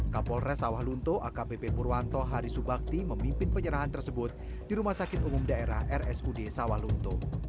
kapolres saulunto akbp purwanto harisubakti memimpin penyerahan tersebut di rumah sakit umum daerah rsud saulunto